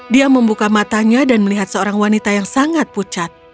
dia membuka matanya dan melihat seorang wanita yang sangat pucat